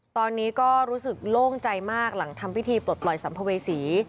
ตอนนี้ก็รู้สึกโล่งใจมากหลังทำพิธีปลดปล่อยสัมภเวษี